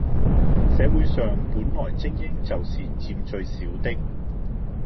社會上本來精英就是佔最少的